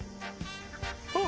あっ。